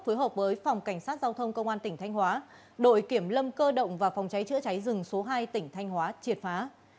phối hợp với phòng cảnh sát giao thông công an tỉnh thanh hóa đội kiểm lâm cơ động và phòng cháy chữa cháy rừng số hai tỉnh thanh hóa triệt phá